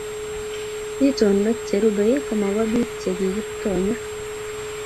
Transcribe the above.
itonwek cherubei ko mobo biik chekiKiptoonyo